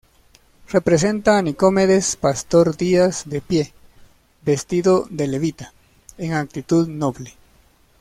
Representa a Nicomedes Pastor Díaz de pie, vestido de levita, en actitud noble.